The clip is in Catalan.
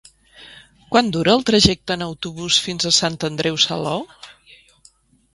Quant dura el trajecte en autobús fins a Sant Andreu Salou?